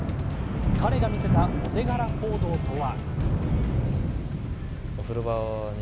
彼が見せたお手柄行動とは。